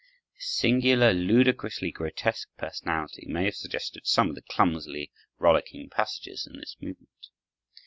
His singular, ludicrously grotesque personality may have suggested some of the clumsily rollicking passages in this movement.